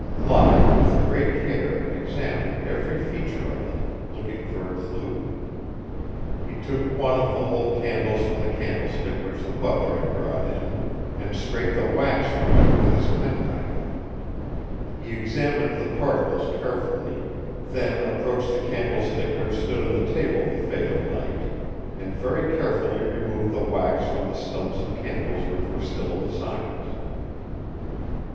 Locke with great care examined every feature of them, looking for a clue. He took one of the whole candles from the candlestick which the butler had brought in and scraped the wax from in with his penknife. He examined the particles carefully, then approached the candlestick which stood on the table the fatal night, and very carefully removed the wax from the stumps of candles which were still in the sockets.